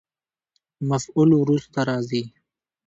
مفعول وروسته راځي.